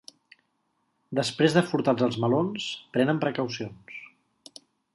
Després de furtats els melons, prenen precaucions.